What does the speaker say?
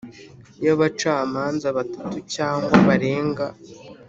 y abacamanza batatu cyangwa barenga